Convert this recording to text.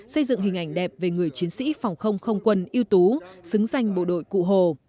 xây dựng hình ảnh đẹp về người chiến sĩ phòng không không quân ưu tú xứng danh bộ đội cụ hồ